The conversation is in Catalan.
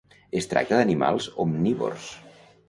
Es tracta d'animals omnívors.